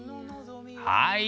はい。